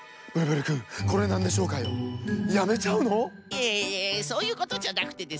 いえいえそういうことじゃなくてですね